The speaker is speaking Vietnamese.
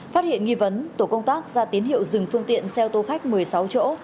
phát hiện nghi vấn tổ công tác ra tín hiệu dừng phương tiện xe ô tô khách một mươi sáu chỗ